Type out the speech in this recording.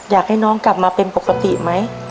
อยากให้น้องกลับมาเป็นปกติไหม